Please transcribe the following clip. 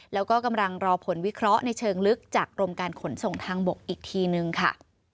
แล้วก็กำลังรอผลวิเคราะห์ในเชิงลึกจากกรมการขนส่งทางบกอีกทีนึงค่ะ